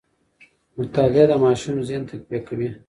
مطالعه د ماشوم ذهن تقویه کوي.